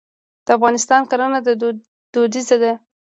د افغانستان کرنه دودیزه ده.